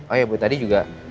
oh ya bu tadi juga